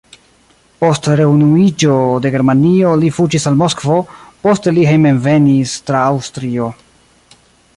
Post reunuiĝo de Germanio, li fuĝis al Moskvo, poste li hejmenvenis tra Aŭstrio.